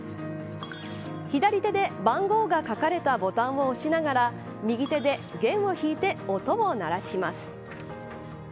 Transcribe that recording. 左手で番号が書かれたボタンを押しながら右手で弦を弾いて音を鳴らします。